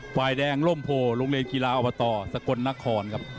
ไฟแดงร่มโพโรงเรียนกีฬาอสกนนคร